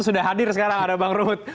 sudah hadir sekarang ada bang ruhut